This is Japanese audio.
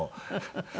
フフフフ。